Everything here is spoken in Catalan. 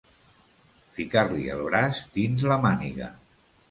Ficar-li el braç dins la màniga.